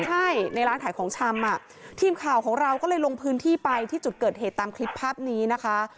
ใช่ในร้านขายของชำอ่ะทีมข่าวของเราก็เลยลงพื้นที่ไปที่จุดเกิดเหตุตามคลิปภาพนี้นะคะ